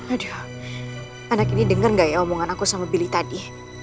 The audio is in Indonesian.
aduh anak ini dengar gak ya omongan aku sama billy tadi